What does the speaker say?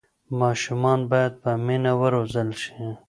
ماشومان باید په مینه وروزل شي.